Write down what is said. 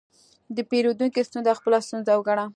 د پیرودونکي ستونزه خپله ستونزه وګڼه.